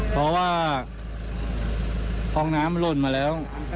อย่าอยู่นะอยู่ไม่ได้